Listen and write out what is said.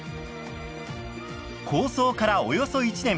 構想からおよそ１年。